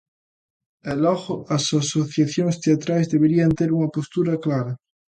E logo, as asociacións teatrais deberían ter unha postura clara.